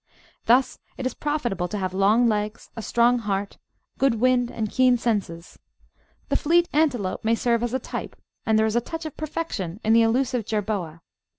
Thus it is profitable to have long legs, a strong heart, good wind, and keen senses. The fleet Antelope may serve as a type, and there is a touch of perfection in the elusive Jerboa.